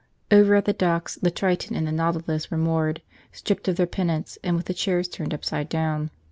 Over at the docks the Triton and the Nautilus were moored, stripped of their pennants and with the chairs turned upside down.